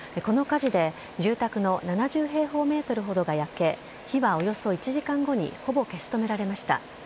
この火事で、住宅の７０平方メートルほどが焼け、火はおよそ１時間後にほぼ消し止められました。